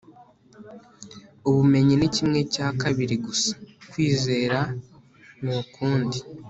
ubumenyi ni kimwe cya kabiri gusa. kwizera ni ukundi